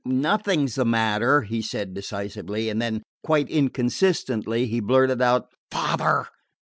"Nothing 's the matter," he said decisively. And then, quite inconsistently, he blurted out, "Father!"